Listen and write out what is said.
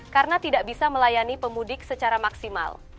karena tidak bisa melayani pemudik secara maksimal